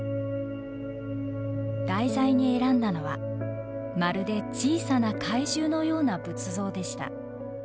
題材に選んだのはまるで小さな怪獣のような仏像でした。